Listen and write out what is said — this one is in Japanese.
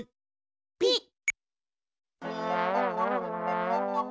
ピッ。